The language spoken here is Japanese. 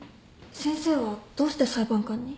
先生はどうして裁判官に？